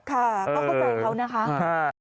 ค่ะก็เข้าใจเขานะคะ